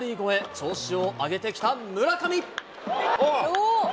調子を上げてきた村上。